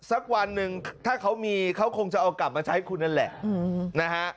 สักวันหนึ่งถ้าเขามีเขาคงจะเอากลับมาใช้คุณนั่นแหละนะฮะ